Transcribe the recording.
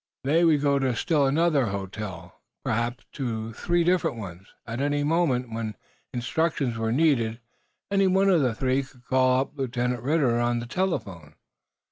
They would go to still other hotels, perhaps to three different ones. At any moment when instructions were needed, any one of the three could call up Lieutenant Ridder on the telephone.